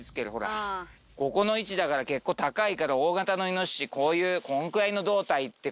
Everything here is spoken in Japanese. ここの位置だから結構高いから大型のイノシシこういうこんくらいの胴体ってこと。